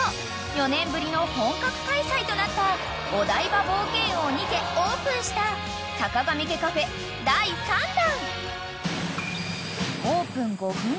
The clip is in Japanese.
４年ぶりの本格開催となったお台場冒険王にてオープンしたさかがみ家カフェ第３弾］